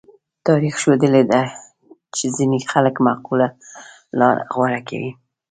تاریخ ښوولې ده چې ځینې خلک معقوله لاره غوره کوي.